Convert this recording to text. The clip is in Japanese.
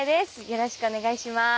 よろしくお願いします。